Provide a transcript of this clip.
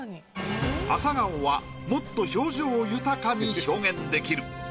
朝顔はもっと表情豊かに表現できる。